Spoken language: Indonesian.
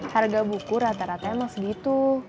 harga buku rata rata emang segitu